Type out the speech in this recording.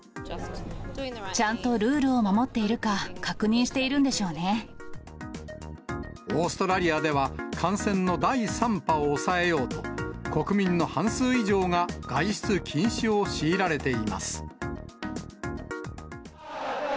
ちゃんとルールを守っているオーストラリアでは、感染の第３波を抑えようと、国民の半数以上が外出禁止を強いられています。